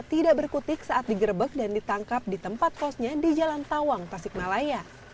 tidak berkutik saat digerebek dan ditangkap di tempat kosnya di jalan tawang tasikmalaya